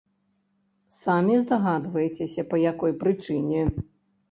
Самі здагадваецеся, па якой прычыне!!!